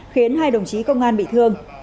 khiến hai đồng chí công an bị thương